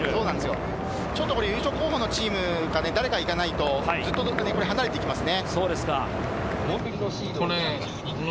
ちょっと優勝候補のチームが誰か行かないと、ずっと離れていきますね。